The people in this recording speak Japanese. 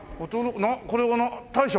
これは大将？